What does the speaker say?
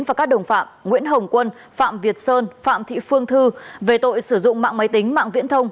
và các đồng phạm nguyễn hồng quân phạm việt sơn phạm thị phương thư về tội sử dụng mạng máy tính mạng viễn thông